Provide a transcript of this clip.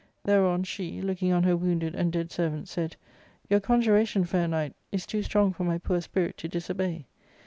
Thereon she, looking on her wounded and dead servants, said, "Your conjuration, fair knight, is too strong for my poor spirit to disobey.